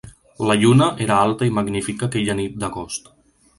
La lluna era alta i magnífica aquella nit d'agost.